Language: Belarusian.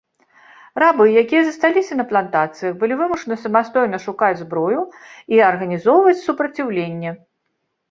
Рабы, якія засталіся на плантацыях, былі вымушаны самастойна шукаць зброю і арганізоўваць супраціўленне.